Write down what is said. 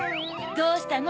どうしたの？